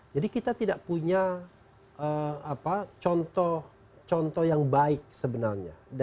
jadi kita tidak punya contoh yang baik sebenarnya